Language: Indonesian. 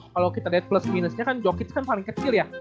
kalau kita lihat plus minusnya kan jokit kan paling kecil ya